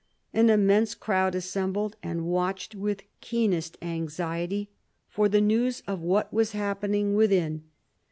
An immense crowd assembled, and watched, with keenest anxiety, for the news of what was happening within.